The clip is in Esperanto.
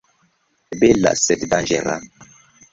Bela, sed danĝera.